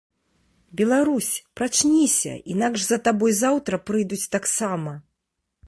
Беларусь, прачніся, інакш за табой заўтра прыйдуць таксама.